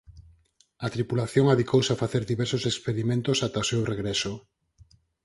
A tripulación adicouse a facer diversos experimentos ata o seu regreso.